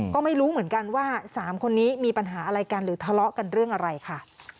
ก็ไม่รู้เหมือนกันว่า๓คนนี้มีปัญหาอะไรกันหรือทะเลาะกันเรื่องอะไรค่ะ